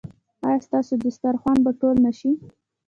ایا ستاسو دسترخوان به ټول نه شي؟